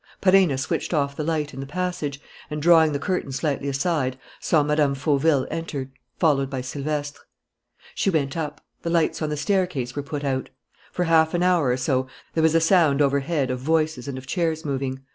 Perenna switched off the light in the passage, and, drawing the curtain slightly aside, saw Mme. Fauville enter, followed by Silvestre. She went up. The lights on the staircase were put out. For half an hour or so there was a sound overhead of voices and of chairs moving.